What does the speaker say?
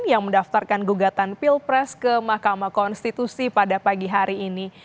yang mendaftarkan gugatan pilpres ke mahkamah konstitusi pada pagi hari ini